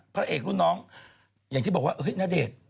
พระเอกรุ่นน้องอย่างที่บอกว่าณเดชน์